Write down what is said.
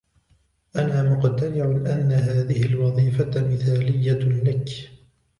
أنا مقتنع أن هذه الوظيفة مثالية لك.